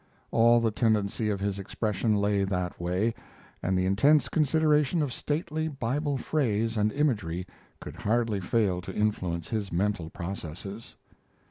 All the tendency of his expression lay that way, and the intense consideration of stately Bible phrase and imagery could hardly fail to influence his mental processes.